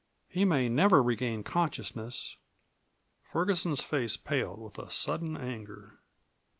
He may never regain consciousness." Ferguson's face paled with a sudden anger.